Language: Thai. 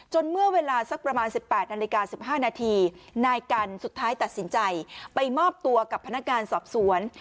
เมื่อเวลาสักประมาณ๑๘นาฬิกา๑๕นาทีนายกันสุดท้ายตัดสินใจไปมอบตัวกับพนักงานสอบสวน